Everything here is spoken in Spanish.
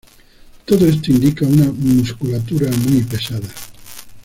Todo esto indica una musculatura muy pesada.